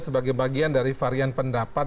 sebagai bagian dari varian pendapat